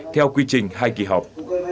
theo quy trình hai kỳ họp